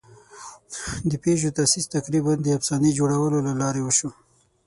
د پيژو تاسیس تقریباً د افسانې جوړولو له لارې وشو.